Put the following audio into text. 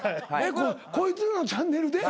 こいつらのチャンネルで？